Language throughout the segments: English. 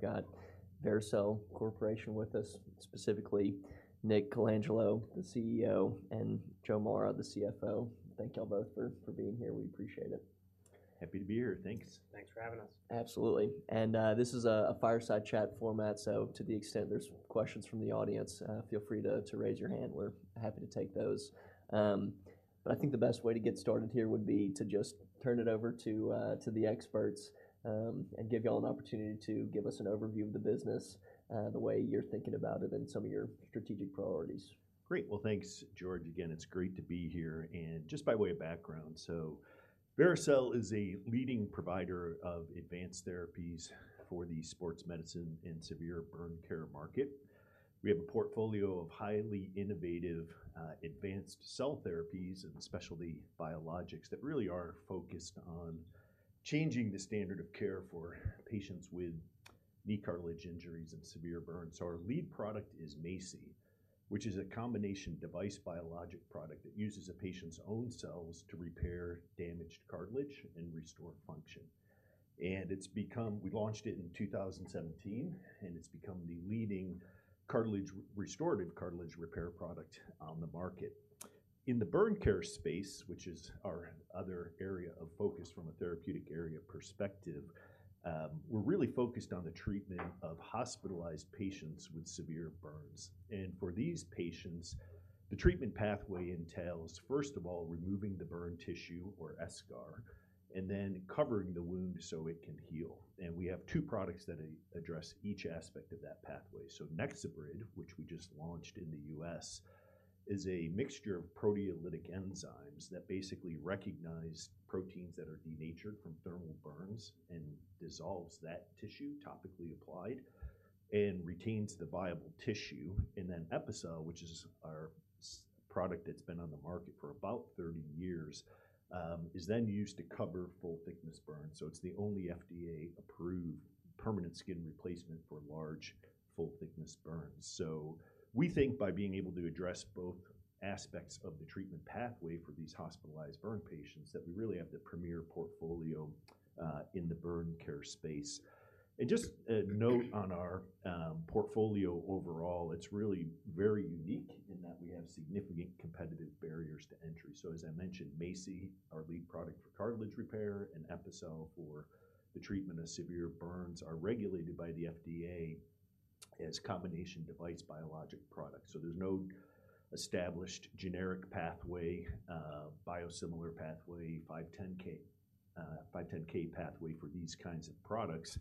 We've got Vericel Corporation with us, specifically Nick Colangelo, the CEO, and Joe Mara, the CFO. Thank y'all both for being here. We appreciate it. Happy to be here. Thanks. Thanks for having us. Absolutely. And this is a fireside chat format, so to the extent there's questions from the audience, feel free to raise your hand. We're happy to take those. But I think the best way to get started here would be to just turn it over to the experts and give y'all an opportunity to give us an overview of the business, the way you're thinking about it and some of your strategic priorities. Great. Well, thanks, George. Again, it's great to be here. And just by way of background, so Vericel is a leading provider of advanced therapies for the sports medicine and severe burn care market. We have a portfolio of highly innovative advanced cell therapies and specialty biologics that really are focused on changing the standard of care for patients with knee cartilage injuries and severe burns. So our lead product is MACI, which is a combination device biologic product that uses a patient's own cells to repair damaged cartilage and restore function. And it's become. We launched it in 2017, and it's become the leading restorative cartilage repair product on the market. In the burn care space, which is our other area of focus from a therapeutic area perspective, we're really focused on the treatment of hospitalized patients with severe burns. For these patients, the treatment pathway entails, first of all, removing the burn tissue or eschar, and then covering the wound so it can heal. And we have two products that address each aspect of that pathway. So NexoBrid, which we just launched in the U.S., is a mixture of proteolytic enzymes that basically recognize proteins that are denatured from thermal burns and dissolves that tissue topically applied and retains the viable tissue. And then Epicel, which is our skin product that's been on the market for about 30 years, is then used to cover full-thickness burns. So it's the only FDA-approved permanent skin replacement for large, full-thickness burns. So we think by being able to address both aspects of the treatment pathway for these hospitalized burn patients, that we really have the premier portfolio in the burn care space. And just a note on our portfolio overall, it's really very unique in that we have significant competitive barriers to entry. So as I mentioned, MACI, our lead product for cartilage repair, and Epicel for the treatment of severe burns, are regulated by the FDA as combination device biologic products. So there's no established generic pathway, biosimilar pathway, 510(k), 510(k) pathway for these kinds of products.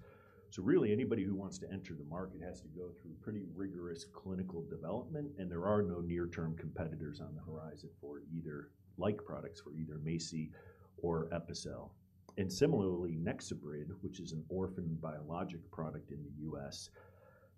So really, anybody who wants to enter the market has to go through pretty rigorous clinical development, and there are no near-term competitors on the horizon for either like products, for either MACI or Epicel. And similarly, NexoBrid, which is an orphan biologic product in the U.S.,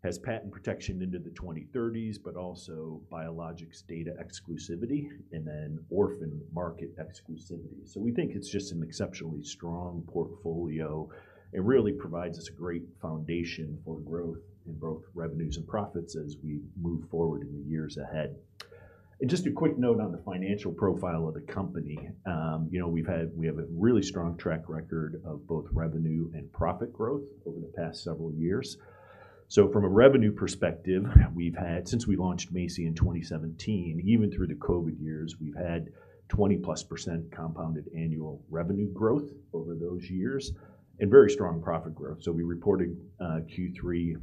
has patent protection into the 2030s, but also biologics data exclusivity, and then orphan market exclusivity. So we think it's just an exceptionally strong portfolio and really provides us a great foundation for growth in both revenues and profits as we move forward in the years ahead. And just a quick note on the financial profile of the company. You know, we have a really strong track record of both revenue and profit growth over the past several years. So from a revenue perspective, we've had since we launched MACI in 2017, even through the COVID years, we've had 20+% compounded annual revenue growth over those years and very strong profit growth. So we reported Q3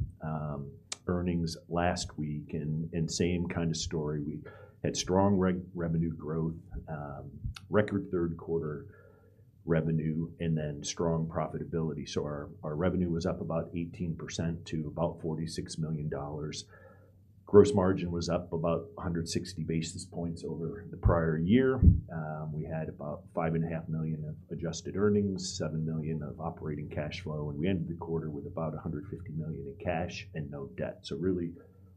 earnings last week, and same kind of story. We had strong revenue growth, record third quarter revenue, and then strong profitability. So our revenue was up about 18% to about $46 million. Gross margin was up about 160 basis points over the prior year. We had about $5.5 million of adjusted earnings, $7 million of operating cash flow, and we ended the quarter with about $150 million in cash and no debt, so really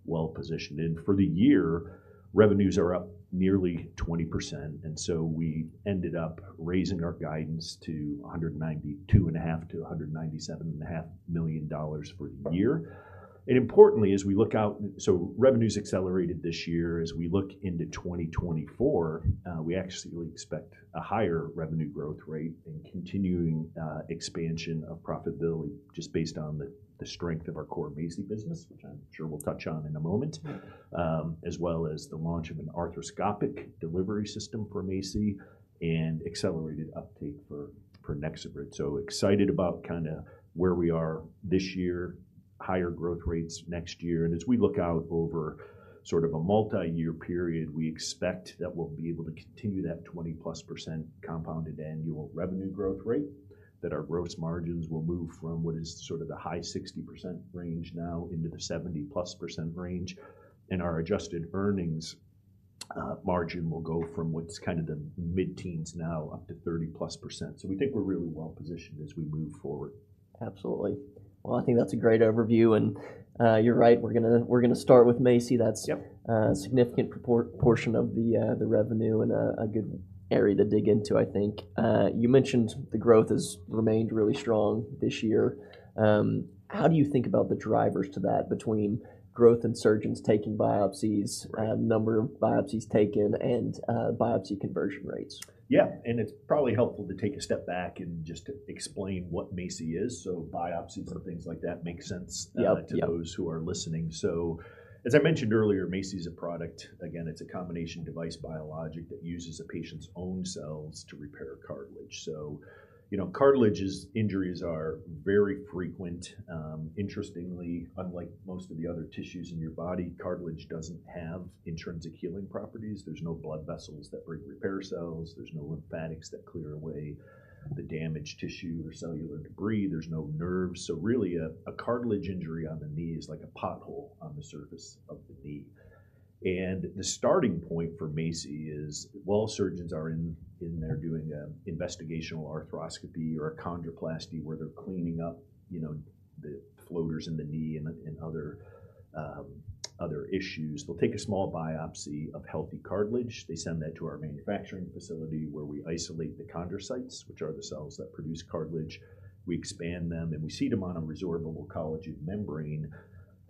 well-positioned. And for the year, revenues are up nearly 20%, and so we ended up raising our guidance to $192.5 million-$197.5 million for the year. And importantly, as we look out... So revenue's accelerated this year. As we look into 2024, we actually expect a higher revenue growth rate and continuing expansion of profitability just based on the strength of our core MACI business, which I'm sure we'll touch on in a moment, as well as the launch of an arthroscopic delivery system for MACI and accelerated uptake for NexoBrid. So excited about kinda where we are this year, higher growth rates next year. And as we look out over sort of a multi-year period, we expect that we'll be able to continue that 20+% compounded annual revenue growth rate, that our gross margins will move from what is sort of the high 60% range now into the 70+% range, and our adjusted EBITDA margin will go from what's kind of the mid-teens now up to 30+%. We think we're really well positioned as we move forward. Absolutely. Well, I think that's a great overview, and, you're right, we're gonna, we're gonna start with MACI. Yep. That's a significant portion of the revenue and a good area to dig into, I think. You mentioned the growth has remained really strong this year. How do you think about the drivers to that, between growth in surgeons taking biopsies- Right... number of biopsies taken, and, biopsy conversion rates? Yeah, and it's probably helpful to take a step back and just explain what MACI is, so biopsies and things like that make sense. Yep, yep... to those who are listening. So as I mentioned earlier, MACI's a product. Again, it's a combination device biologic that uses a patient's own cells to repair cartilage. So, you know, cartilage's injuries are very frequent. Interestingly, unlike most of the other tissues in your body, cartilage doesn't have intrinsic healing properties. There's no blood vessels that bring repair cells. There's no lymphatics that clear away the damaged tissue or cellular debris. There's no nerves. So really, a cartilage injury on the knee is like a pothole on the surface of the knee. And the starting point for MACI is, while surgeons are in there doing investigational arthroscopy or a chondroplasty, where they're cleaning up, you know, the floaters in the knee and other issues, they'll take a small biopsy of healthy cartilage. They send that to our manufacturing facility, where we isolate the chondrocytes, which are the cells that produce cartilage. We expand them, and we seed them on a resorbable collagen membrane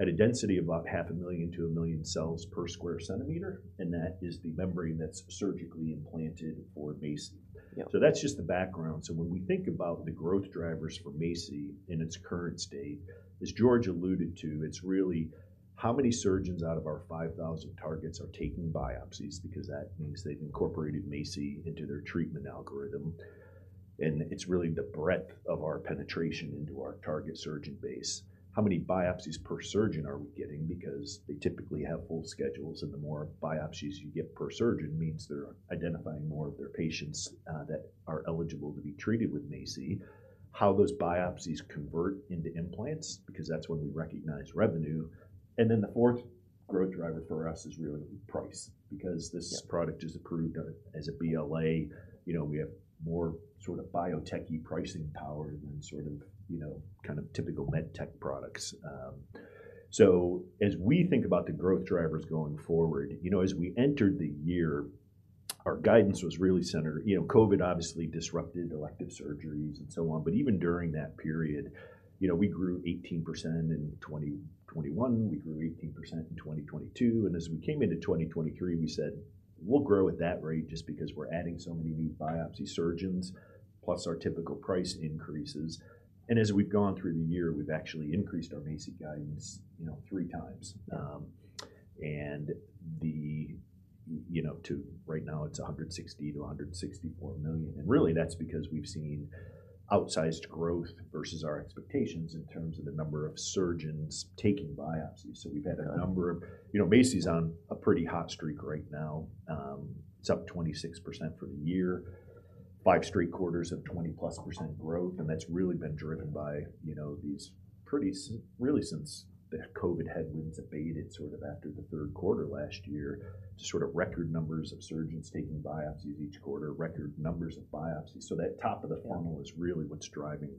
at a density of about 500,000-1,000,000 cells per square centimeter, and that is the membrane that's surgically implanted for MACI. Yep. That's just the background. When we think about the growth drivers for MACI in its current state, as George alluded to, it's really how many surgeons out of our 5,000 targets are taking biopsies because that means they've incorporated MACI into their treatment algorithm, and it's really the breadth of our penetration into our target surgeon base. How many biopsies per surgeon are we getting? Because they typically have full schedules, and the more biopsies you get per surgeon means they're identifying more of their patients, that are eligible to be treated with MACI. How those biopsies convert into implants, because that's when we recognize revenue. And then the fourth growth driver for us is really price- Yep... because this product is approved as a BLA, you know, we have more sort of biotechy pricing power than sort of, you know, kind of typical med tech products. So as we think about the growth drivers going forward, you know, as we entered the year, our guidance was really centered... You know, COVID obviously disrupted elective surgeries and so on, but even during that period, you know, we grew 18% in 2021. We grew 18% in 2022, and as we came into 2023, we said, "We'll grow at that rate just because we're adding so many new biopsy surgeons, plus our typical price increases." And as we've gone through the year, we've actually increased our MACI guidance, you know, three times. and you know, to right now, it's $160 million - $164 million, and really that's because we've seen outsized growth versus our expectations in terms of the number of surgeons taking biopsies. Yeah. So we've had a number of... You know, MACI's on a pretty hot streak right now. It's up 26% for the year, five straight quarters of 20+% growth, and that's really been driven by, you know, really since the COVID headwinds abated sort of after the third quarter last year, to sort of record numbers of surgeons taking biopsies each quarter, record numbers of biopsies. So that top of the funnel- Yeah... is really what's driving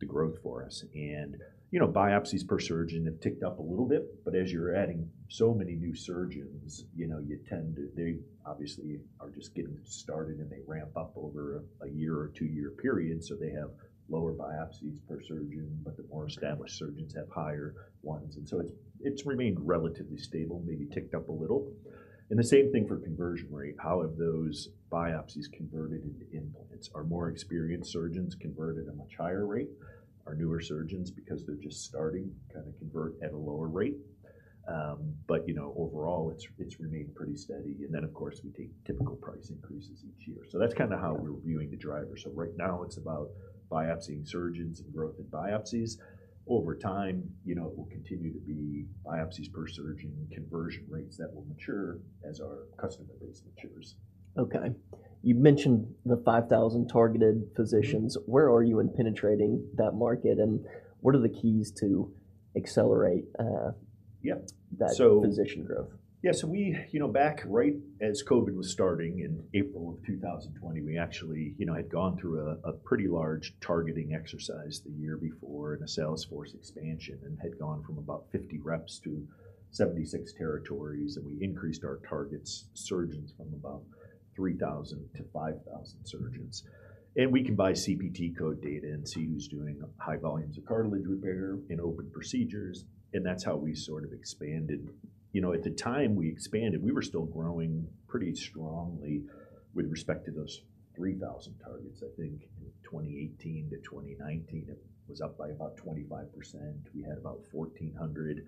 the growth for us. And, you know, biopsies per surgeon have ticked up a little bit, but as you're adding so many new surgeons, you know, you tend to, they obviously are just getting started, and they ramp up over a year or two-year period. So they have lower biopsies per surgeon, but the more established surgeons have higher ones, and so it's remained relatively stable, maybe ticked up a little. And the same thing for conversion rate. How have those biopsies converted into implants? Our more experienced surgeons convert at a much higher rate. Our newer surgeons, because they're just starting, kind of convert at a lower rate. But, you know, overall, it's remained pretty steady, and then of course, we take typical price increases each year. Yeah. That's kind of how we're viewing the drivers. Right now, it's about biopsying surgeons and growth in biopsies. Over time, you know, it will continue to be biopsies per surgeon, conversion rates that will mature as our customer base matures. Okay. You mentioned the 5,000 targeted physicians. Mm-hmm. Where are you in penetrating that market, and what are the keys to accelerate? Yep, so- -that physician growth? Yeah, so we... You know, back right as COVID was starting in April 2020, we actually, you know, had gone through a pretty large targeting exercise the year before in a Salesforce expansion and had gone from about 50 reps to 76 territories, and we increased our targets' surgeons from about 3,000 to 5,000 surgeons. And we can buy CPT code data and see who's doing high volumes of cartilage repair and open procedures, and that's how we sort of expanded. You know, at the time we expanded, we were still growing pretty strongly with respect to those 3,000 targets. I think in 2018 to 2019, it was up by about 25%. We had about 1,400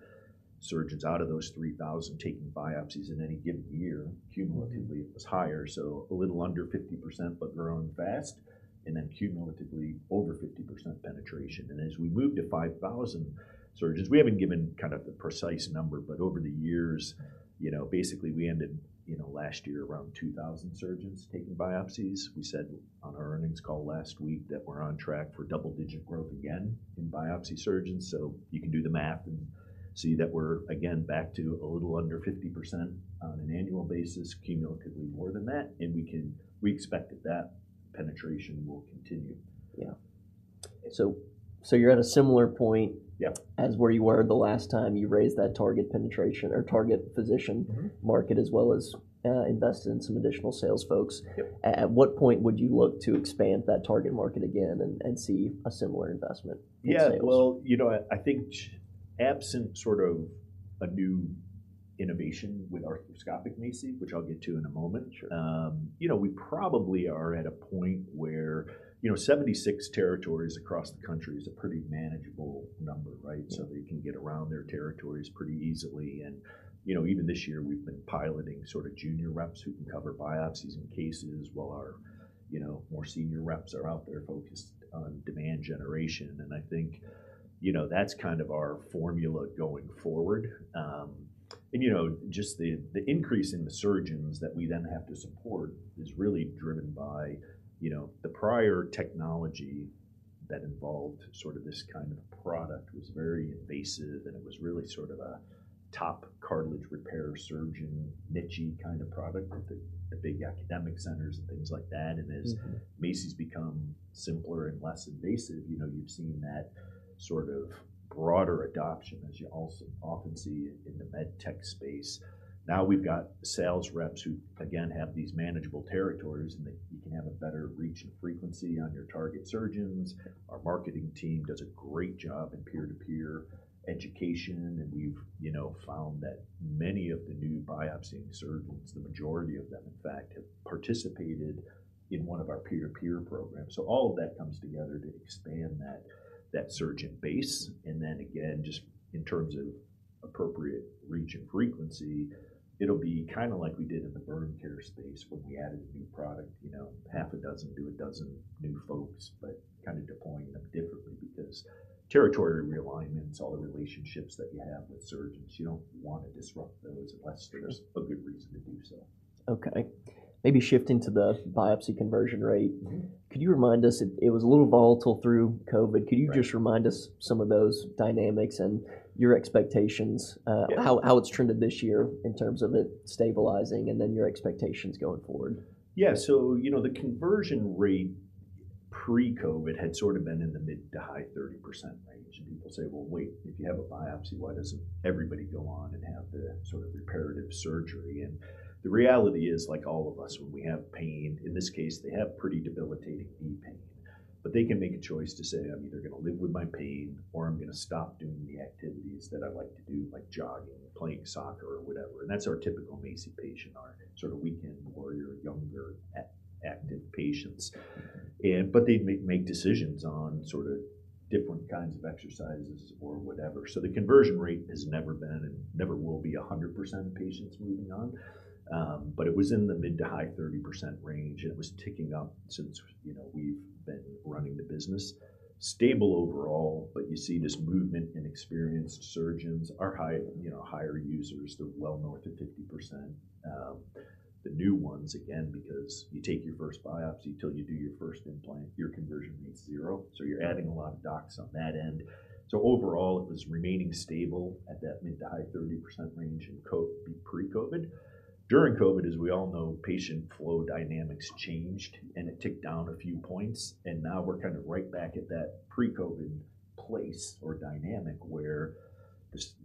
surgeons out of those 3,000 taking biopsies in any given year. Cumulatively, it was higher, so a little under 50%, but growing fast, and then cumulatively, over 50% penetration. And as we moved to 5,000 surgeons, we haven't given kind of the precise number, but over the years, you know, basically, we ended, you know, last year around 2,000 surgeons taking biopsies. We said on our earnings call last week that we're on track for double-digit growth again in biopsy surgeons, so you can do the math, and see that we're again back to a little under 50% on an annual basis, cumulatively more than that, and we expect that that penetration will continue. Yeah. So, you're at a similar point- Yep. as where you were the last time you raised that target penetration or target physician- Mm-hmm - market, as well as, invested in some additional sales folks. Yep. At what point would you look to expand that target market again and see a similar investment in sales? Yeah, well, you know, I think absent sort of a new innovation with arthroscopic MACI, which I'll get to in a moment- Sure. You know, we probably are at a point where, you know, 76 territories across the country is a pretty manageable number, right? Mm-hmm. So they can get around their territories pretty easily. And, you know, even this year, we've been piloting sort of junior reps who can cover biopsies and cases while our, you know, more senior reps are out there focused on demand generation. And I think, you know, that's kind of our formula going forward. And, you know, just the increase in the surgeons that we then have to support is really driven by, you know, the prior technology that involved sort of this kind of a product was very invasive, and it was really sort of a top cartilage repair surgeon, niche-y kind of product at the big academic centers and things like that. Mm-hmm. As MACI's become simpler and less invasive, you know, you've seen that sort of broader adoption, as you also often see in the med tech space. Now, we've got sales reps who, again, have these manageable territories, and they can have a better reach and frequency on their target surgeons. Our marketing team does a great job in peer-to-peer education, and we've, you know, found that many of the new biopsying surgeons, the majority of them, in fact, have participated in one of our peer-to-peer programs. All of that comes together to expand that surgeon base. And then again, just in terms of appropriate reach and frequency, it'll be kind of like we did in the burn care space when we added a new product, you know, 6-12 new folks, but kind of deploying them differently because territory realignments, all the relationships that you have with surgeons, you don't want to disrupt those unless- Sure... there's a good reason to do so. Okay, maybe shifting to the biopsy conversion rate. Mm-hmm. Could you remind us, it was a little volatile through COVID? Right. Could you just remind us some of those dynamics and your expectations? Yeah... how it's trended this year in terms of it stabilizing and then your expectations going forward? Yeah, so, you know, the conversion rate pre-COVID had sort of been in the mid- to high-30% range. And people say: Well, wait, if you have a biopsy, why doesn't everybody go on and have the sort of reparative surgery? And the reality is, like all of us, when we have pain, in this case, they have pretty debilitating knee pain, but they can make a choice to say, "I'm either going to live with my pain, or I'm going to stop doing the activities that I like to do, like jogging or playing soccer or whatever." And that's our typical MACI patient, our sort of weekend warrior, younger, active patients. But they make decisions on sort of different kinds of exercises or whatever. So the conversion rate has never been and never will be 100% of patients moving on. But it was in the mid- to high-30% range, and it was ticking up since, you know, we've been running the business. Stable overall, but you see this movement in experienced surgeons, our high, you know, higher users, they're well north of 50%. The new ones, again, because you take your first biopsy till you do your first implant, your conversion rate is 0. So you're adding a lot of docs on that end. So overall, it was remaining stable at that mid- to high-30% range in COVID, pre-COVID. During COVID, as we all know, patient flow dynamics changed, and it ticked down a few points, and now we're kind of right back at that pre-COVID place or dynamic where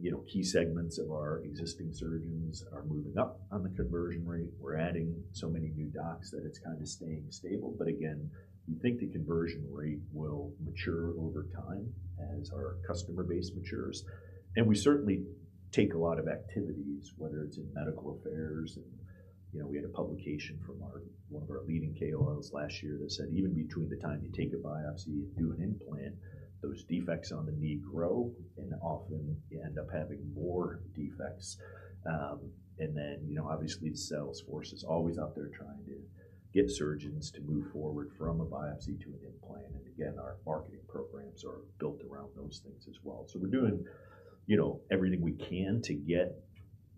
you know, key segments of our existing surgeons are moving up on the conversion rate. We're adding so many new docs that it's kind of staying stable, but again, we think the conversion rate will mature over time as our customer base matures. And we certainly take a lot of activities, whether it's in medical affairs, and, you know, we had a publication from one of our leading KOLs last year that said, "Even between the time you take a biopsy and do an implant, those defects on the knee grow, and often you end up having more defects." And then, you know, obviously, the sales force is always out there trying to get surgeons to move forward from a biopsy to an implant. And again, our marketing programs are built around those things as well. So we're doing, you know, everything we can to get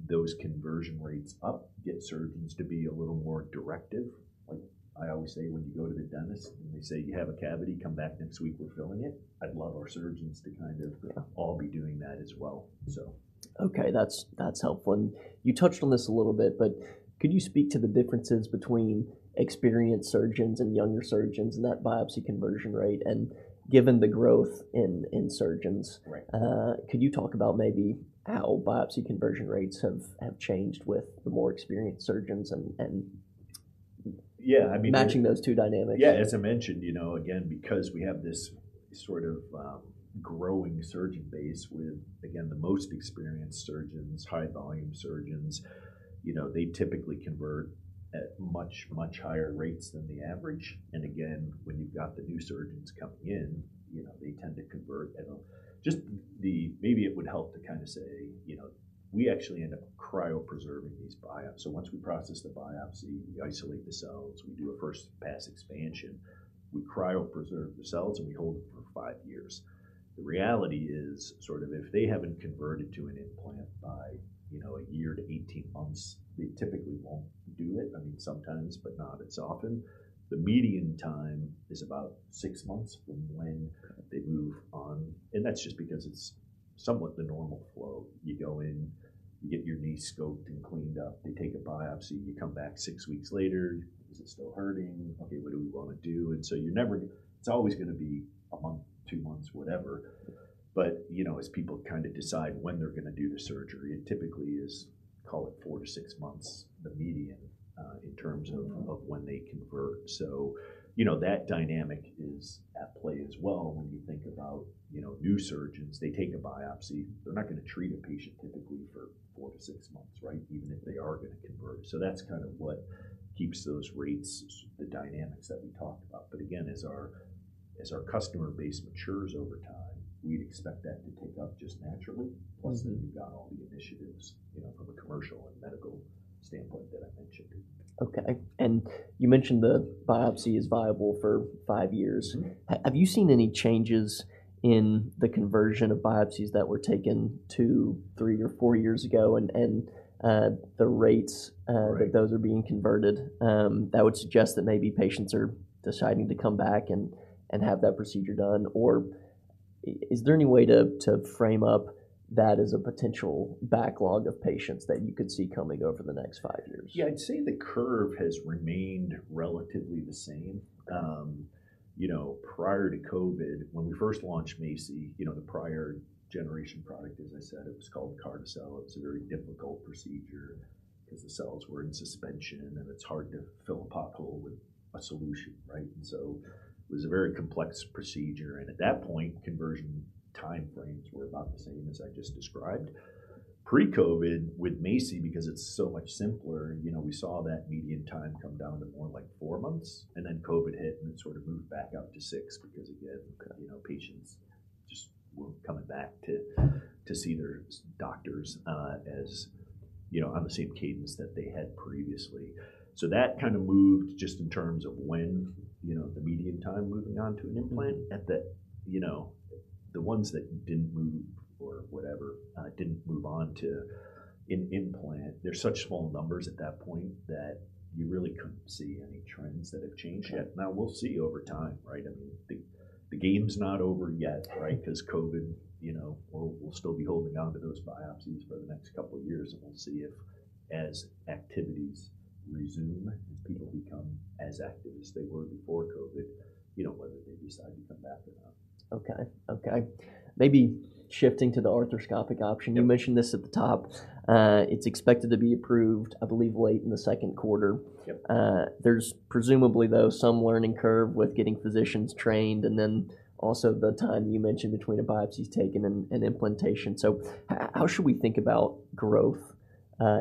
those conversion rates up, get surgeons to be a little more directive. Like I always say, when you go to the dentist, and they say, "You have a cavity, come back next week, we're filling it," I'd love our surgeons to kind of- Yeah... all be doing that as well. So. Okay, that's, that's helpful. You touched on this a little bit, but could you speak to the differences between experienced surgeons and younger surgeons and that biopsy conversion rate? Given the growth in, in surgeons- Right... could you talk about maybe how biopsy conversion rates have changed with the more experienced surgeons and Yeah, I mean- Matching those two dynamics. Yeah, as I mentioned, you know, again, because we have this sort of, growing surgeon base with, again, the most experienced surgeons, high-volume surgeons, you know, they typically convert at much, much higher rates than the average. And again, when you've got the new surgeons coming in, you know, they tend to convert at a... maybe it would help to kind of say, you know, we actually end up cryopreserving these biopsies. So once we process the biopsy, we isolate the cells, we do a first-pass expansion, we cryopreserve the cells, and we hold them for 5 years. The reality is, sort of if they haven't converted to an implant by, you know, a year to 18 months, they typically won't do it. I mean, sometimes, but not as often. The median time is about 6 months from-... when they move on, and that's just because it's somewhat the normal flow. You go in, you get your knee scoped and cleaned up. They take a biopsy, you come back 6 weeks later. Is it still hurting? Okay, what do we want to do? And so you're never—it's always going to be a month, 2 months, whatever. But, you know, as people kind of decide when they're going to do the surgery, it typically is, call it 4-6 months, the median, in terms of- Mm-hmm... of when they convert. So you know, that dynamic is at play as well when you think about, you know, new surgeons. They take a biopsy, they're not going to treat a patient typically for 4-6 months, right? Even if they are going to convert. So that's kind of what keeps those rates, the dynamics that we talked about. But again, as our customer base matures over time, we'd expect that to tick up just naturally. Mm-hmm. Plus, then you've got all the initiatives, you know, from a commercial and medical standpoint that I mentioned. Okay, and you mentioned the biopsy is viable for five years. Mm-hmm. Have you seen any changes in the conversion of biopsies that were taken two, three, or four years ago, and the rates? Right... that those are being converted? That would suggest that maybe patients are deciding to come back and have that procedure done. Or is there any way to frame up that as a potential backlog of patients that you could see coming over the next five years? Yeah, I'd say the curve has remained relatively the same. You know, prior to COVID, when we first launched MACI, you know, the prior generation product, as I said, it was called Carticel. It was a very difficult procedure because the cells were in suspension, and it's hard to fill a pothole with a solution, right? And so it was a very complex procedure, and at that point, conversion time frames were about the same as I just described. Pre-COVID, with MACI, because it's so much simpler, you know, we saw that median time come down to more like 4 months, and then COVID hit, and it sort of moved back out to 6, because again, you know, patients just weren't coming back to see their doctors, as you know, on the same cadence that they had previously. That kind of moved just in terms of when, you know, the median time moving on to an implant. Mm-hmm. At the, you know, the ones that didn't move or whatever, didn't move on to an implant, they're such small numbers at that point that you really couldn't see any trends that have changed yet. Sure. Now, we'll see over time, right? I mean, the game's not over yet, right? Because COVID, you know, we'll still be holding on to those biopsies for the next couple of years, and we'll see if, as activities resume, and people become as active as they were before COVID, you know, whether they decide to come back or not. Okay. Okay, maybe shifting to the arthroscopic option- Yep... you mentioned this at the top. It's expected to be approved, I believe, late in the second quarter. Yep. There's presumably, though, some learning curve with getting physicians trained, and then also the time you mentioned between a biopsy's taken and, and implantation. So how should we think about growth,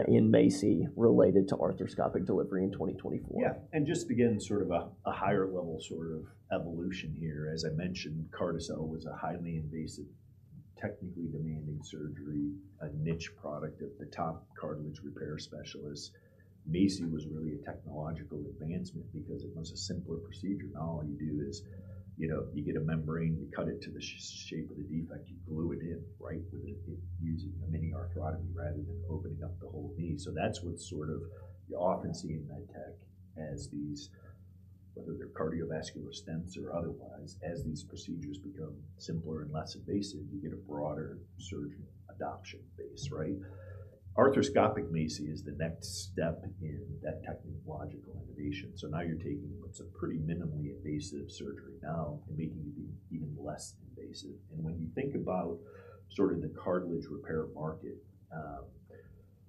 in MACI related to arthroscopic delivery in 2024? Yeah, and just again, sort of a, a higher level, sort of evolution here. As I mentioned, Carticel was a highly invasive, technically demanding surgery, a niche product at the top cartilage repair specialists. MACI was really a technological advancement because it was a simpler procedure. Now all you do is, you know, you get a membrane, you cut it to the shape of the defect, you glue it in, right, with a, using a mini arthrotomy rather than opening up the whole knee. So that's what's sort of you often see in med tech as these, whether they're cardiovascular stents or otherwise, as these procedures become simpler and less invasive, you get a broader surgical adoption base, right? Arthroscopic MACI is the next step in that technological innovation. So now you're taking what's a pretty minimally invasive surgery now and making it even less invasive. When you think about sort of the cartilage repair market,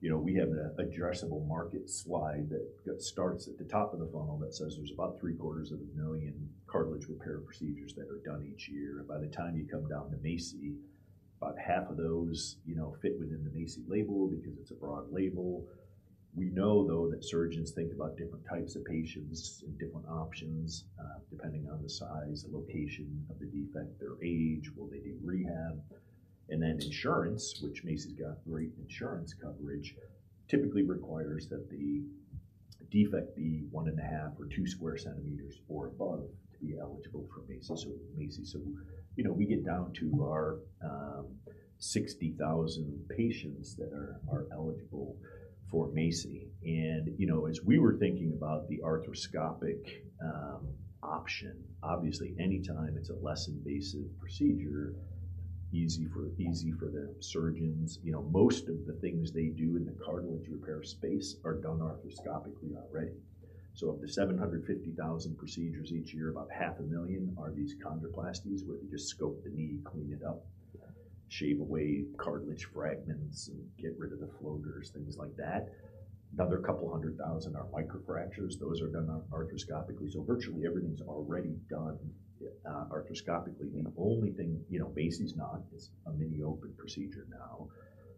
you know, we have an addressable market slide that starts at the top of the funnel that says there's about 750,000 cartilage repair procedures that are done each year. And by the time you come down to MACI, about half of those, you know, fit within the MACI label because it's a broad label. We know, though, that surgeons think about different types of patients and different options, depending on the size, the location of the defect, their age, will they do rehab? And then insurance, which MACI's got great insurance coverage, typically requires that the defect be 1.5 or 2 square centimeters or above to be eligible for MACI. So, you know, we get down to our 60,000 patients that are eligible for MACI. You know, as we were thinking about the arthroscopic option, obviously, anytime it's a less invasive procedure, easy for, easy for the surgeons. You know, most of the things they do in the cartilage repair space are done arthroscopically already. So of the 750,000 procedures each year, about 500,000 are these chondroplasties, where they just scope the knee, clean it up- Yeah... shave away cartilage fragments and get rid of the floaters, things like that. Another 200,000 are microfractures. Those are done arthroscopically. So virtually everything's already done arthroscopically. The only thing, you know, MACI's not, it's a mini open procedure now.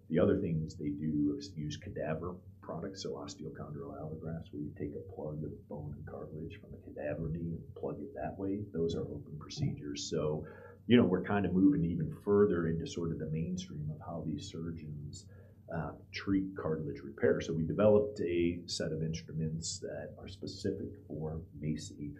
The other things they do is use cadaver products, so osteochondral allografts, where you take a plug of bone and cartilage from a cadaver knee and plug it that way. Those are open procedures. So you know, we're kind of moving even further into sort of the mainstream of how these surgeons treat cartilage repair. So we developed a set of instruments that are specific for MACI.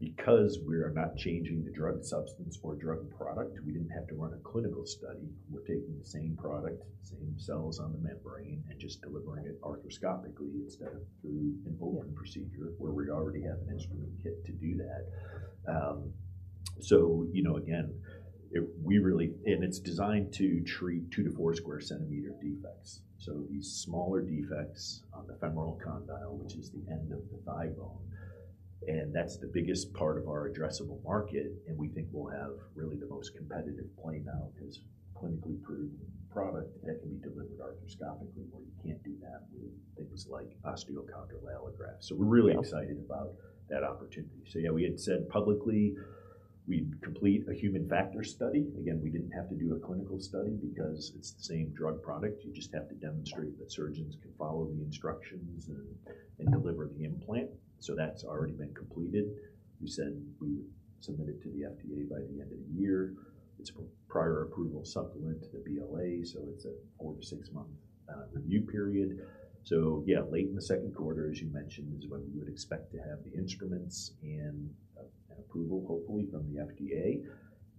Because we're not changing the drug substance or drug product, we didn't have to run a clinical study. We're taking the same product, same cells on the membrane, and just delivering it arthroscopically instead of through an open procedure, where we already have an instrument kit to do that. So, you know, again, and it's designed to treat 2-4 square centimeter defects. So these smaller defects on the femoral condyle, which is the end of the thigh bone, and that's the biggest part of our addressable market, and we think we'll have really the most competitive play now, because clinically proven product that can be delivered arthroscopically, where you can't do that with things like osteochondral allograft. So we're really excited about that opportunity. So yeah, we had said publicly we'd complete a human factors study. Again, we didn't have to do a clinical study because it's the same drug product. You just have to demonstrate that surgeons can follow the instructions and deliver the implant. So that's already been completed. We said we would submit it to the FDA by the end of the year. It's a Prior Approval Supplement to the BLA, so it's a 4- to 6-month review period. So yeah, late in the second quarter, as you mentioned, is when we would expect to have the instruments and an approval, hopefully from the FDA.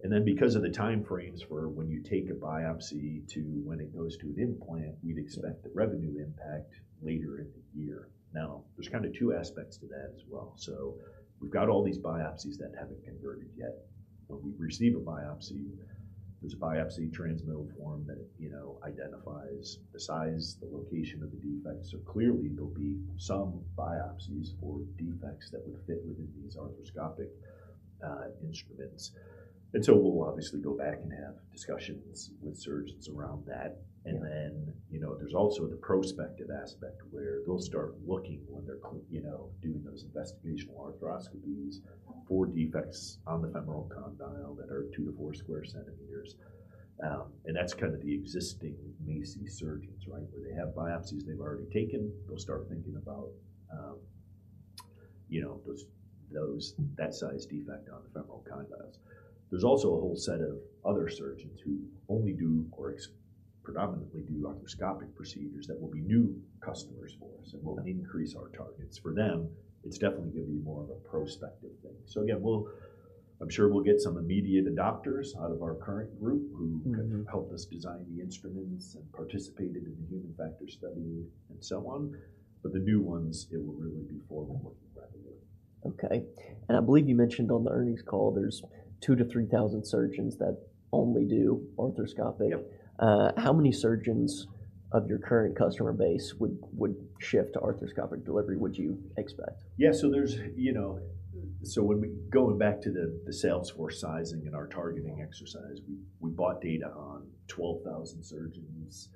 And then because of the timeframes for when you take a biopsy to when it goes to an implant, we'd expect the revenue impact later in the year. Now, there's kind of two aspects to that as well. So we've got all these biopsies that haven't converted yet, but we receive a biopsy. There's a biopsy transmittal form that, you know, identifies the size, the location of the defect. So clearly there'll be some biopsies for defects that would fit within these arthroscopic instruments. And so we'll obviously go back and have discussions with surgeons around that. Yeah. And then, you know, there's also the prospective aspect, where they'll start looking when they're, you know, doing those investigational arthroscopies for defects on the femoral condyle that are 2-4 square centimeters. And that's kind of the existing MACI surgeons, right? Where they have biopsies they've already taken. They'll start thinking about, you know, that size defect on the femoral condyles. There's also a whole set of other surgeons who only do or predominantly do arthroscopic procedures that will be new customers for us and will increase our targets. For them, it's definitely going to be more of a prospective thing. So again, I'm sure we'll get some immediate adopters out of our current group- Mm-hmm. -who helped us design the instruments and participated in the Human Factors Study and so on, but the new ones, it will really be forward-looking revenue. Okay. And I believe you mentioned on the earnings call, there's 2,000-3,000 surgeons that only do arthroscopic. Yep. How many surgeons of your current customer base would shift to arthroscopic delivery, would you expect? Yeah, so there's, you know, so when we going back to the sales force sizing and our targeting exercise, we bought data on 12,000 surgeons.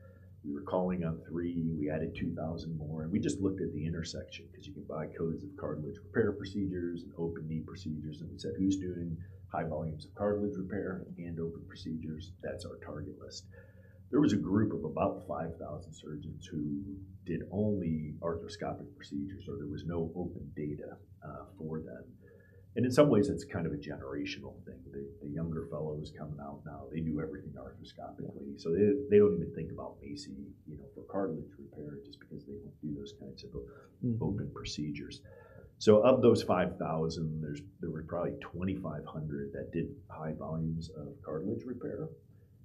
We were calling on 3,000, we added 2,000 more, and we just looked at the intersection, because you can buy codes of cartilage repair procedures and open knee procedures. And we said, "Who's doing high volumes of cartilage repair and open procedures?" That's our target list. There was a group of about 5,000 surgeons who did only arthroscopic procedures, or there was no open data for them. And in some ways, it's kind of a generational thing. The younger fellows coming out now, they do everything arthroscopically. Yeah. So they don't even think about MACI, you know, for cartilage repair, just because they don't do those kinds of o- Mm. Open procedures. So of those 5,000, there were probably 2,500 that did high volumes of cartilage repair,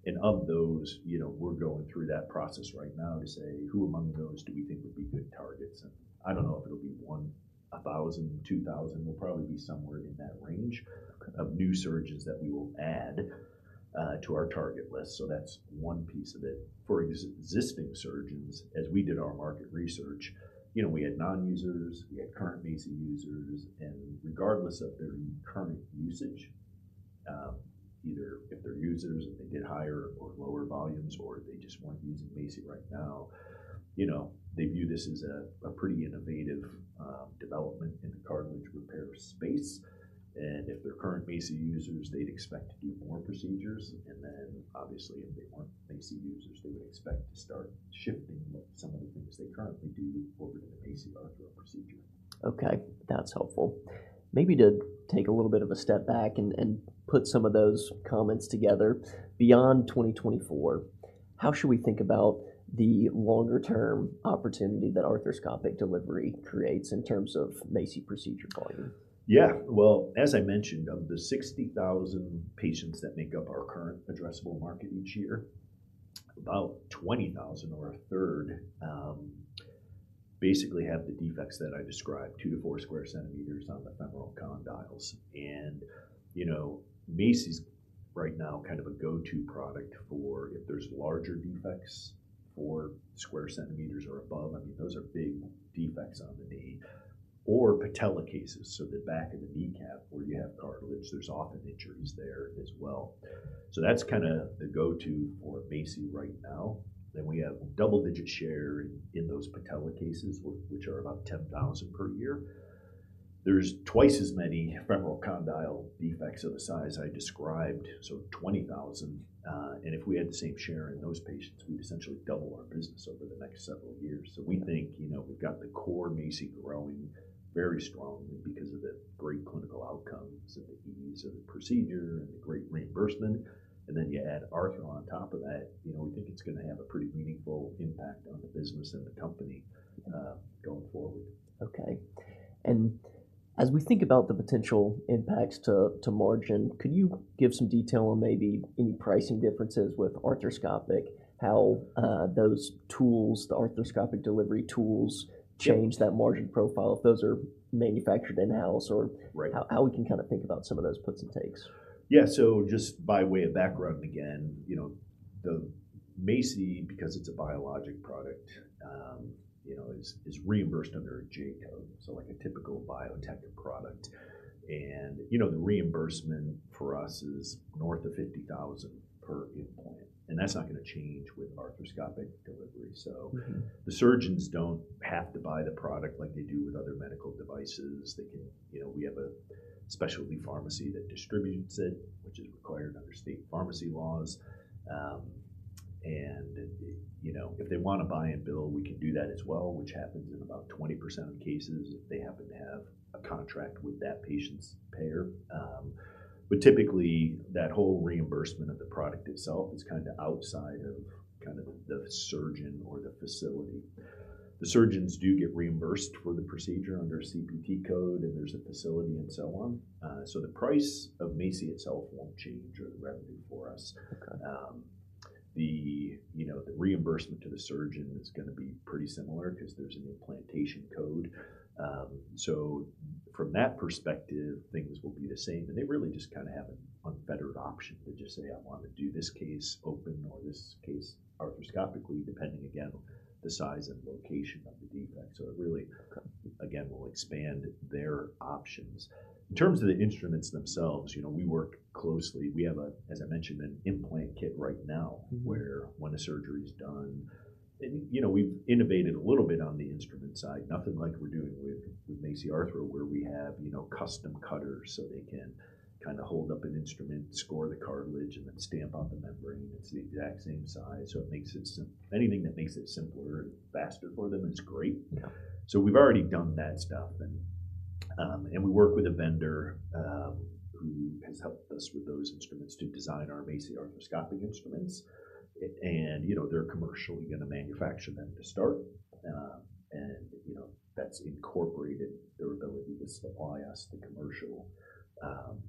and of those, you know, we're going through that process right now to say: Who among those do we think would be good targets? And I don't know if it'll be 1,000, 2,000. We'll probably be somewhere in that range- Okay... of new surgeons that we will add to our target list. So that's one piece of it. For existing surgeons, as we did our market research, you know, we had non-users, we had current MACI users, and regardless of their current usage, either if they're users and they did higher or lower volumes, or they just weren't using MACI right now, you know, they view this as a pretty innovative development in the cartilage repair space. And if they're current MACI users, they'd expect to do more procedures, and then obviously, if they weren't MACI users, they would expect to start shifting some of the things they currently do over to the MACI arthro procedure. Okay, that's helpful. Maybe to take a little bit of a step back and put some of those comments together, beyond 2024, how should we think about the longer-term opportunity that arthroscopic delivery creates in terms of MACI procedure volume? Yeah. Well, as I mentioned, of the 60,000 patients that make up our current addressable market each year, about 20,000, or a third, basically have the defects that I described, 2-4 sq cm on the femoral condyles. And, you know, MACI's right now kind of a go-to product for if there's larger defects, 4 sq cm or above, I mean, those are big defects on the knee, or patella cases. So the back of the kneecap, where you have cartilage, there's often injuries there as well. So that's kinda the go-to for MACI right now. Then we have double-digit share in those patella cases, which are about 10,000 per year. There's twice as many femoral condyle defects of the size I described, so 20,000, and if we had the same share in those patients, we'd essentially double our business over the next several years. So we think, you know, we've got the core MACI growing very strongly because of the great clinical outcomes and the ease of the procedure and the great reimbursement, and then you add arthro on top of that, you know, we think it's gonna have a pretty meaningful impact on the business and the company, going forward. Okay. And as we think about the potential impacts to, to margin, could you give some detail on maybe any pricing differences with arthroscopic, how, those tools, the arthroscopic delivery tools- Yeah -change that margin profile, if those are manufactured in-house or- Right -how, how we can kind of think about some of those puts and takes? Yeah, so just by way of background again, you know, the MACI, because it's a biologic product, you know, is, is reimbursed under a J code, so like a typical biotech product. And, you know, the reimbursement for us is north of $50,000 per implant, and that's not gonna change with arthroscopic delivery. So- Mm-hmm... the surgeons don't have to buy the product like they do with other medical devices. They can, you know, we have a specialty pharmacy that distributes it, which is required under state pharmacy laws. And, you know, if they want to buy and bill, we can do that as well, which happens in about 20% of cases, if they happen to have a contract with that patient's payer. But typically, that whole reimbursement of the product itself is kind of outside of kind of the surgeon or the facility. The surgeons do get reimbursed for the procedure under a CPT code, and there's a facility and so on. So the price of MACI itself won't change or the revenue for us. Okay. You know, the reimbursement to the surgeon is gonna be pretty similar because there's an implantation code. So from that perspective, things will be the same, and they really just kind of have an unfettered option to just say, "I want to do this case open or this case arthroscopically," depending, again, on the size and location of the defect. So it really will expand their options. In terms of the instruments themselves, you know, we work closely. We have a, as I mentioned, an implant kit right now where when a surgery is done, and, you know, we've innovated a little bit on the instrument side. Nothing like we're doing with MACI arthro, where we have, you know, custom cutters, so they can kind of hold up an instrument, score the cartilage, and then stamp on the membrane. It's the exact same size, so anything that makes it simpler and faster for them is great. Yeah. So we've already done that stuff, and we work with a vendor who has helped us with those instruments to design our MACI arthroscopic instruments. And, you know, they're commercially gonna manufacture them to start. And, you know, that's incorporated their ability to supply us the commercial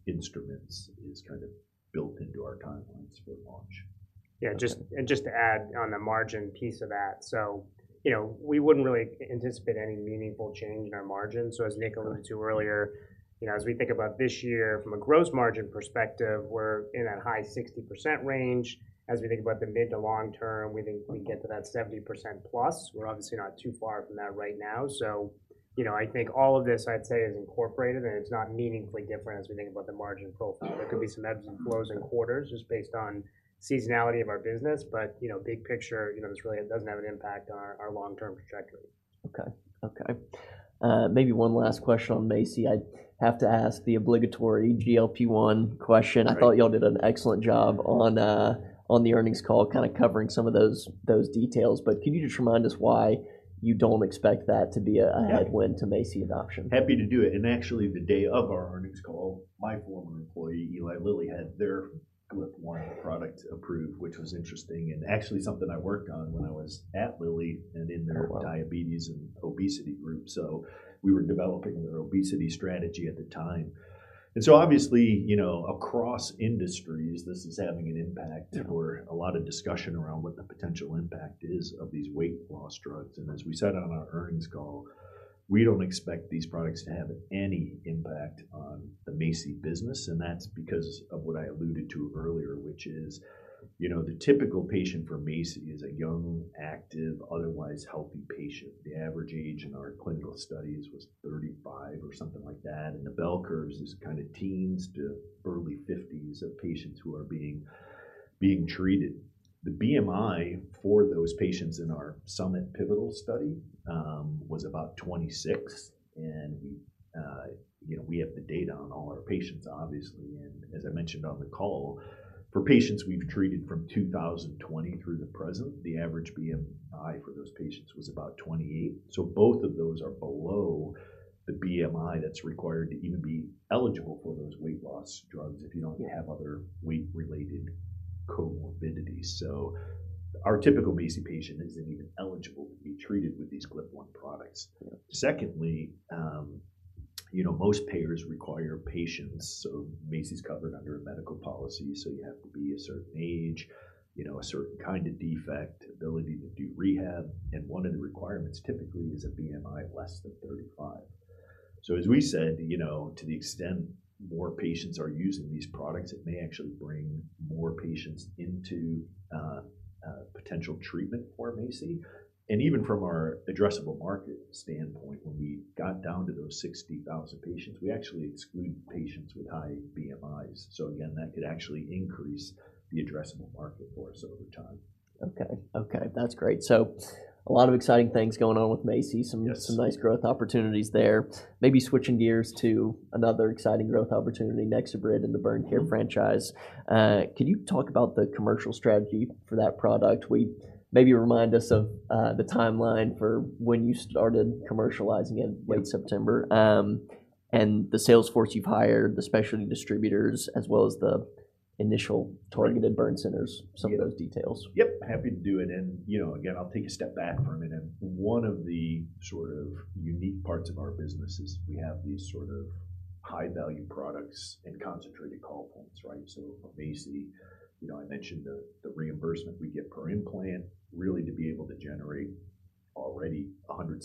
instruments, is kind of built into our timelines for launch. Yeah, just and just to add on the margin piece of that. So, you know, we wouldn't really anticipate any meaningful change in our margin. So as Nick alluded to earlier, you know, as we think about this year from a gross margin perspective, we're in that high 60% range. As we think about the mid to long term, we think we get to that 70% plus. We're obviously not too far from that right now. So, you know, I think all of this, I'd say, is incorporated, and it's not meaningfully different as we think about the margin profile. Mm-hmm. There could be some ebbs and flows in quarters just based on seasonality of our business, but, you know, big picture, you know, this really doesn't have an impact on our, our long-term trajectory. Okay, okay. Maybe one last question on MACI. I have to ask the obligatory GLP-1 question. Right. I thought y'all did an excellent job on, on the earnings call, kind of covering some of those, those details. But can you just remind us why you don't expect that to be a- Yeah... headwind to MACI adoption? Happy to do it. Actually, the day of our earnings call, my former employer, Eli Lilly, had their GLP-1 product approved, which was interesting and actually something I worked on when I was at Lilly and in their diabetes and obesity group. So we were developing their obesity strategy at the time. And so obviously, you know, across industries, this is having an impact. Yeah. There were a lot of discussion around what the potential impact is of these weight loss drugs. And as we said on our earnings call, we don't expect these products to have any impact on the MACI business, and that's because of what I alluded to earlier, which is, you know, the typical patient for MACI is a young, active, otherwise healthy patient. The average age in our clinical studies was 35 or something like that, and the bell curve is kind of teens to early fifties of patients who are being treated. The BMI for those patients in our summit pivotal study was about 26, and we, you know, we have the data on all our patients, obviously. And as I mentioned on the call, for patients we've treated from 2020 through the present, the average BMI for those patients was about 28. So both of those are below the BMI that's required to even be eligible for those weight loss drugs if you don't- Yeah... have other weight-related comorbidities. So our typical MACI patient isn't even eligible to be treated with these GLP-1 products. Yeah. Secondly, you know, most payers require patients, so MACI's covered under a medical policy, so you have to be a certain age, you know, a certain kind of defect, ability to do rehab, and one of the requirements typically is a BMI less than 35. So as we said, you know, to the extent more patients are using these products, it may actually bring more patients into potential treatment for MACI. And even from our addressable market standpoint, when we got down to those 60,000 patients, we actually excluded patients with high BMIs. So again, that could actually increase the addressable market for us over time. Okay, okay. That's great. So a lot of exciting things going on with MACI. Yes. Some nice growth opportunities there. Maybe switching gears to another exciting growth opportunity, NexoBrid in the burn care franchise. Can you talk about the commercial strategy for that product? Maybe remind us of the timeline for when you started commercializing in late September, and the sales force you've hired, the specialty distributors, as well as the initial targeted burn centers— Yeah, some of those details. Yep, happy to do it, and, you know, again, I'll take a step back for a minute. One of the sort of unique parts of our business is we have these sort of high-value products and concentrated call points, right? So for MACI, you know, I mentioned the reimbursement we get per implant, really to be able to generate— already $160+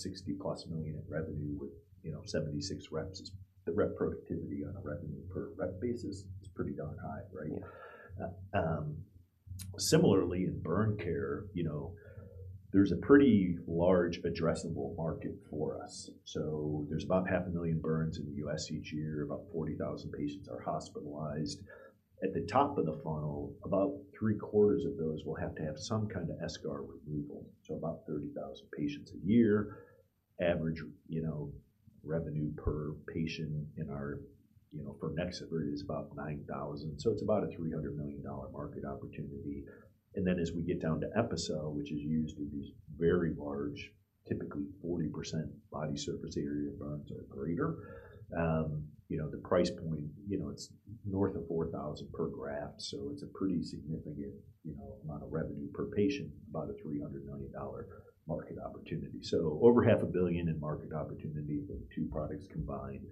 million in revenue with, you know, 76 reps. The rep productivity on a revenue per rep basis is pretty darn high, right? Yeah. Similarly in burn care, you know, there's a pretty large addressable market for us. So there's about 500,000 burns in the U.S. each year. About 40,000 patients are hospitalized. At the top of the funnel, about three-quarters of those will have to have some kind of eschar removal, so about 30,000 patients a year. Average, you know, revenue per patient in our, you know, for NexoBrid is about $9,000. So it's about a $300 million market opportunity. And then as we get down to Epicel, which is used in these very large, typically 40% body surface area burns or greater, you know, the price point, you know, it's north of $4,000 per graft, so it's a pretty significant, you know, amount of revenue per patient, about a $300 million market opportunity. So over $500 million in market opportunity with two products combined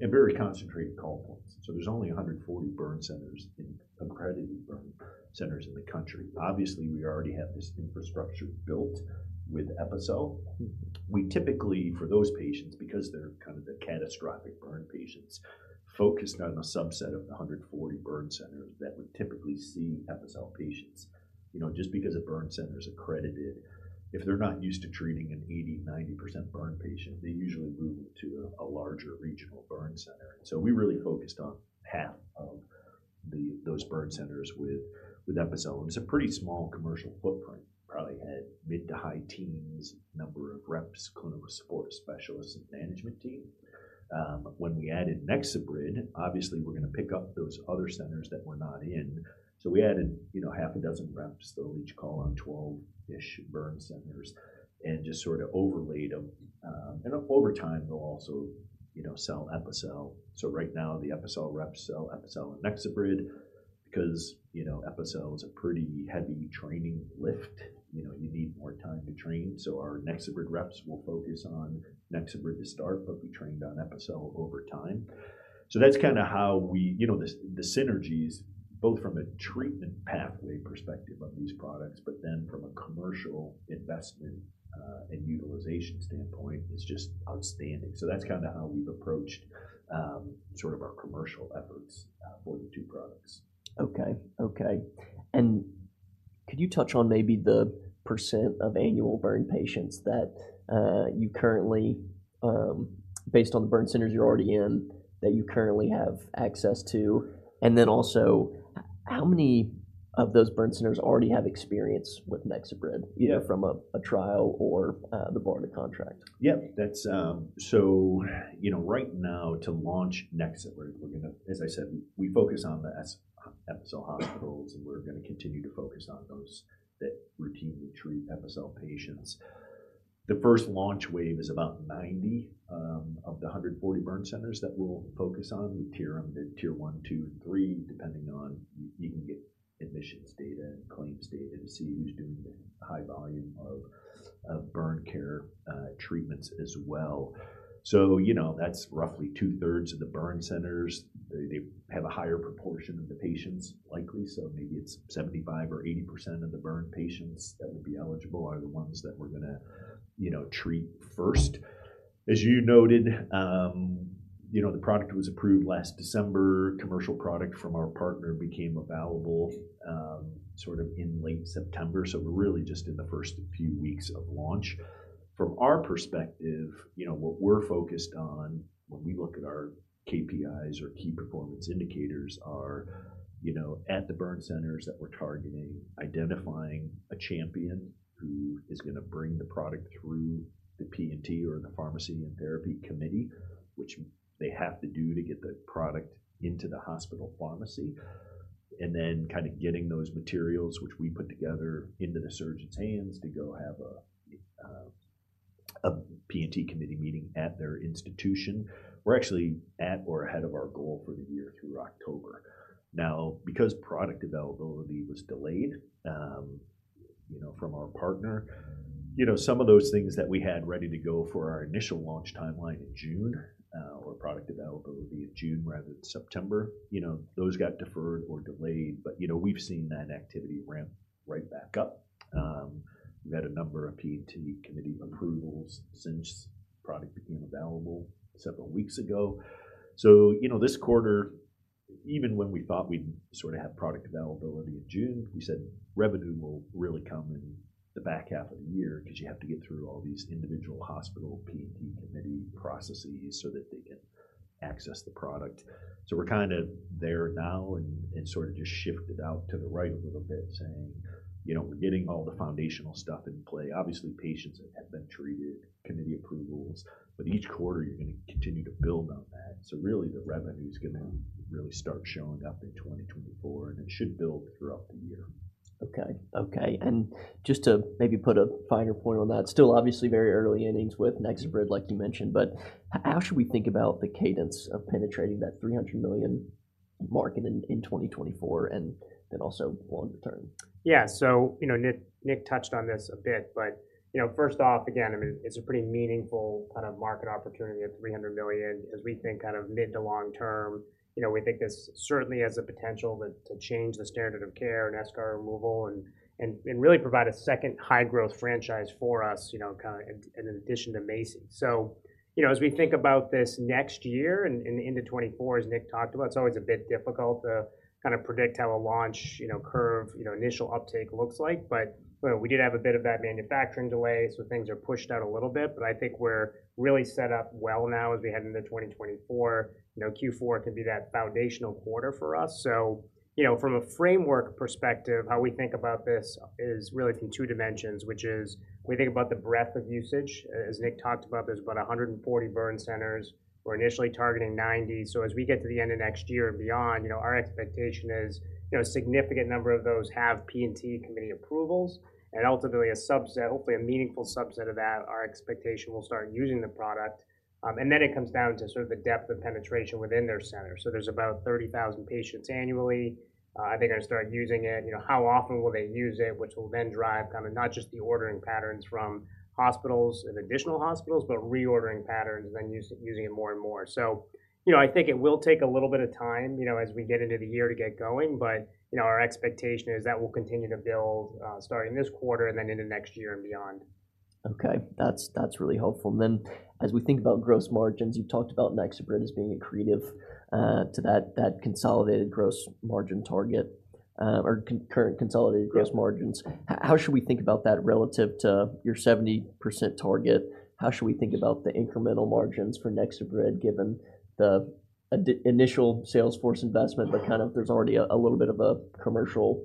and very concentrated call points. So there's only 140 accredited burn centers in the country. Obviously, we already have this infrastructure built with Epicel. We typically, for those patients, because they're kind of the catastrophic burn patients, focused on a subset of the 140 burn centers that would typically see Epicel patients. You know, just because a burn center is accredited, if they're not used to treating an 80%, 90% burn patient, they usually move them to a larger regional burn center. So we really focused on half of those burn centers with Epicel, and it's a pretty small commercial footprint, probably had mid- to high-teens number of reps, clinical support specialists, and management team. When we added NexoBrid, obviously we're going to pick up those other centers that we're not in. So we added, you know, 6 reps. They'll each call on 12-ish burn centers and just sort of overlaid them. And over time, they'll also, you know, sell Epicel. So right now, the Epicel reps sell Epicel and NexoBrid because, you know, Epicel is a pretty heavy training lift, you know, you need more time to train. So our NexoBrid reps will focus on NexoBrid to start, but be trained on Epicel over time. So that's kinda how we... You know, the synergies, both from a treatment pathway perspective of these products, but then from a commercial investment and utilization standpoint, is just outstanding. So that's kinda how we've approached sort of our commercial efforts for the two products. Okay. Okay, and could you touch on maybe the percent of annual burn patients that you currently, based on the burn centers you're already in, that you currently have access to? And then also, how many of those burn centers already have experience with NexoBrid? Yeah... either from a trial or the BARDA contract? Yep, that's. So, you know, right now, to launch NexoBrid, we're gonna, as I said, we focus on the eschar, Epicel hospitals, and we're gonna continue to focus on those that routinely treat Epicel patients. The first launch wave is about 90 of the 140 burn centers that we'll focus on. We tier them to tier one, two, and three, depending on. You can get admissions data and claims data to see who's doing the high volume of burn care treatments as well. So, you know, that's roughly two-thirds of the burn centers. They have a higher proportion of the patients, likely, so maybe it's 75% or 80% of the burn patients that would be eligible are the ones that we're gonna, you know, treat first. As you noted, you know, the product was approved last December. Commercial product from our partner became available, sort of in late September, so we're really just in the first few weeks of launch. From our perspective, you know, what we're focused on when we look at our KPIs or key performance indicators, are, you know, at the burn centers that we're targeting, identifying a champion who is gonna bring the product through the P&T or the Pharmacy and Therapeutics committee, which they have to do to get the product into the hospital pharmacy. And then kinda getting those materials, which we put together, into the surgeon's hands to go have a P&T committee meeting at their institution. We're actually at or ahead of our goal for the year through October. Now, because product availability was delayed, you know, from our partner, you know, some of those things that we had ready to go for our initial launch timeline in June, or product availability in June rather than September, you know, those got deferred or delayed, but, you know, we've seen that activity ramp right back up. We've had a number of P&T Committee approvals since product became available several weeks ago. So, you know, this quarter, even when we thought we'd sort of have product availability in June, we said revenue will really come in the back half of the year because you have to get through all these individual hospital P&T Committee processes so that they can access the product. So we're kind of there now and sort of just shifted out to the right a little bit, saying, you know, we're getting all the foundational stuff in play. Obviously, patients have been treated, committee approvals, but each quarter you're going to continue to build on that. So really, the revenue is gonna really start showing up in 2024, and it should build throughout the year. Okay. Okay, and just to maybe put a finer point on that, still obviously very early innings with NexoBrid, like you mentioned, but how should we think about the cadence of penetrating that $300 million market in 2024, and then also long term? Yeah. So, you know, Nick, Nick touched on this a bit, but, you know, first off, again, I mean, it's a pretty meaningful kind of market opportunity of $300 million, as we think kind of mid to long term. You know, we think this certainly has the potential to change the standard of care in eschar removal and really provide a second high growth franchise for us, you know, kinda in addition to MACI. So, you know, as we think about this next year and in, into 2024, as Nick talked about, it's always a bit difficult to kind of predict how a launch, you know, curve, you know, initial uptake looks like. But, well, we did have a bit of that manufacturing delay, so things are pushed out a little bit, but I think we're really set up well now as we head into 2024. You know, Q4 could be that foundational quarter for us. So, you know, from a framework perspective, how we think about this is really from two dimensions, which is we think about the breadth of usage. As Nick talked about, there's about 140 burn centers. We're initially targeting 90. So as we get to the end of next year and beyond, you know, our expectation is, you know, a significant number of those have P&T Committee approvals, and ultimately a subset, hopefully, a meaningful subset of that, our expectation, will start using the product. And then it comes down to sort of the depth of penetration within their center. So there's about 30,000 patients annually are going to start using it. You know, how often will they use it, which will then drive kind of not just the ordering patterns from hospitals and additional hospitals, but reordering patterns and then using it more and more. So, you know, I think it will take a little bit of time, you know, as we get into the year to get going, but, you know, our expectation is that will continue to build, starting this quarter and then into next year and beyond. Okay, that's, that's really helpful. And then, as we think about gross margins, you talked about NexoBrid as being accretive to that, that consolidated gross margin target, or concurrent consolidated gross margins. Yeah. How should we think about that relative to your 70% target? How should we think about the incremental margins for NexoBrid, given the initial sales force investment, but kind of there's already a little bit of a commercial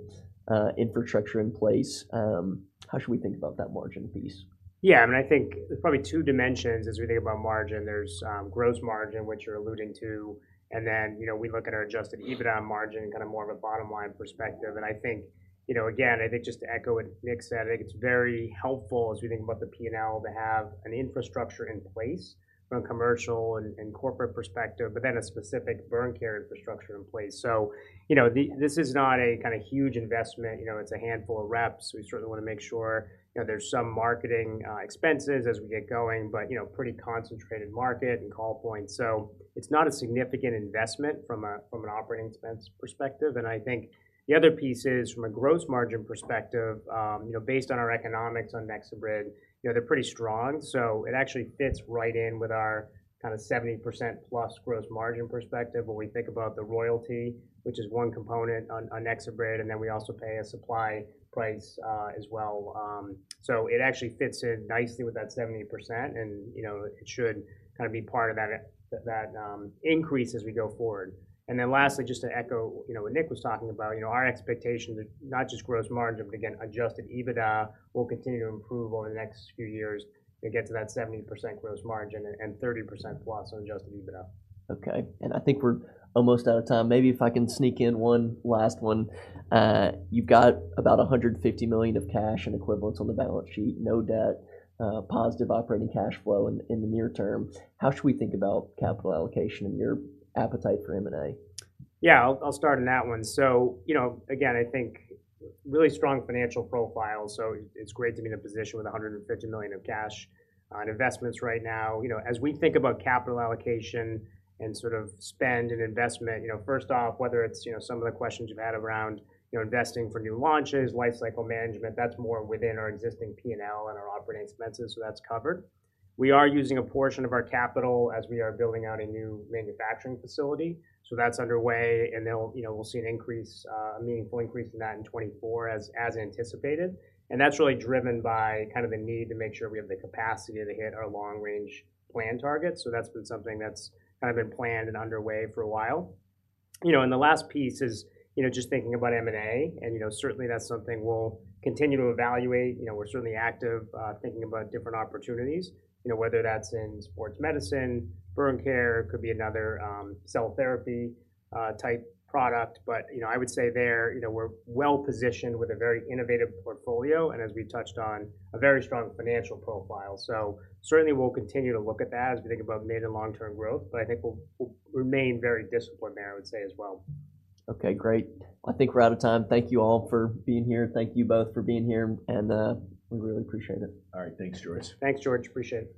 infrastructure in place? How should we think about that margin piece? Yeah, I mean, I think there's probably two dimensions as we think about margin. There's gross margin, which you're alluding to, and then, you know, we look at our adjusted EBITDA margin, kind of more of a bottom-line perspective. And I think, you know, again, I think just to echo what Nick said, I think it's very helpful as we think about the P&L, to have an infrastructure in place from a commercial and, and corporate perspective, but then a specific burn care infrastructure in place. So, you know, this is not a kind of huge investment, you know, it's a handful of reps. We certainly want to make sure, you know, there's some marketing expenses as we get going, but, you know, pretty concentrated market and call points. So it's not a significant investment from a, from an operating expense perspective. I think the other piece is, from a gross margin perspective, you know, based on our economics on NexoBrid, you know, they're pretty strong, so it actually fits right in with our kind of 70%+ gross margin perspective when we think about the royalty, which is one component on NexoBrid, and then we also pay a supply price, as well. So it actually fits in nicely with that 70%, and, you know, it should kind of be part of that increase as we go forward. And then lastly, just to echo, you know, what Nick was talking about, you know, our expectation that not just gross margin, but again, Adjusted EBITDA will continue to improve over the next few years and get to that 70% gross margin and 30%+ on Adjusted EBITDA. Okay, and I think we're almost out of time. Maybe if I can sneak in one last one. You've got about $150 million of cash and equivalents on the balance sheet, no debt, positive operating cash flow in the near term. How should we think about capital allocation and your appetite for M&A? Yeah, I'll start on that one. So, you know, again, I think really strong financial profile, so it's great to be in a position with $150 million of cash on investments right now. You know, as we think about capital allocation and sort of spend and investment, you know, first off, whether it's, you know, some of the questions you've had around, you know, investing for new launches, lifecycle management, that's more within our existing P&L and our operating expenses, so that's covered. We are using a portion of our capital as we are building out a new manufacturing facility, so that's underway, and then, you know, we'll see an increase, a meaningful increase in that in 2024 as anticipated. And that's really driven by kind of the need to make sure we have the capacity to hit our long-range plan targets. So that's been something that's kind of been planned and underway for a while. You know, and the last piece is, you know, just thinking about M&A, and, you know, certainly, that's something we'll continue to evaluate. You know, we're certainly active, thinking about different opportunities, you know, whether that's in sports medicine, burn care, could be another, cell therapy, type product. But, you know, I would say there, you know, we're well-positioned with a very innovative portfolio, and as we touched on, a very strong financial profile. So certainly, we'll continue to look at that as we think about mid and long-term growth, but I think we'll, we'll remain very disciplined there, I would say as well. Okay, great. I think we're out of time. Thank you all for being here. Thank you both for being here, and we really appreciate it. All right. Thanks, George. Thanks, George. Appreciate it.